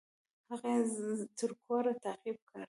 هغه يې تر کوره تعقيب کړى.